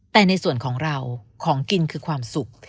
แต่ในส่วนของเราของกินคือความสุข